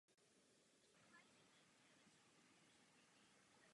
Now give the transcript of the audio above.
Póry dospělých plodnic bývají načervenalé nebo nahnědlé.